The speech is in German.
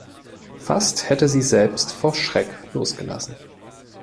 Fast hätte sie selbst vor Schreck losgelassen.